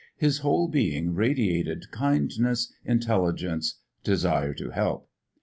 His whole being radiated kindness, intelligence, desire to help.